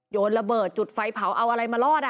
โยนระเบิดจุดไฟเผาเอาอะไรมารอด